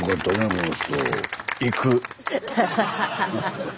この人。